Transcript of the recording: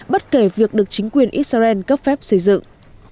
bất kể việc được chính quyền israel cấp phép xây dựng